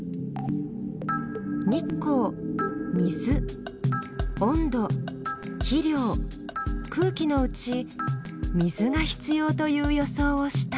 日光水温度肥料空気のうち水が必要という予想をした。